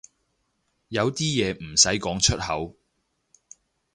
有啲嘢唔使講出口